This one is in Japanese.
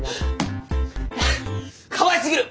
かわいすぎる！